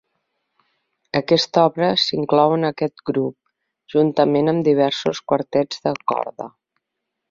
Aquesta obra s'inclou en aquest grup, juntament amb diversos quartets de corda.